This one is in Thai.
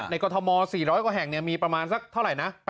ในกฎธมอต์๔๐๐กว่าแห่งเนี่ยมีประมาณซักเท่าไหร่นะ